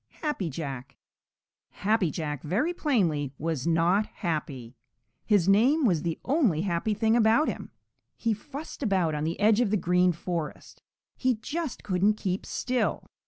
Happy Jack. Happy Jack very plainly was not happy. His name was the only happy thing about him. He fussed about on the edge of the Green Forest. He just couldn't keep still.